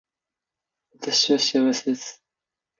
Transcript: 私は幸せです